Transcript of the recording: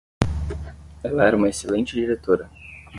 Ela era uma excelente diretora